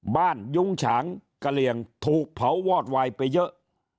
ยุ้งฉางกะเหลี่ยงถูกเผาวอดวายไปเยอะ